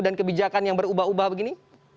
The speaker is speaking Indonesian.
dan kebijakan yang berubah ubah begini